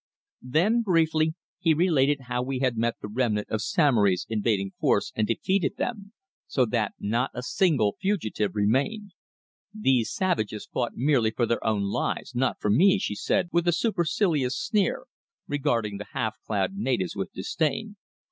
Then briefly he related how we had met the remnant of Samory's invading force and defeated them, so that not a single fugitive remained. "These savages fought merely for their own lives, not for me," she said with a supercilious sneer, regarding the half clad natives with disdain.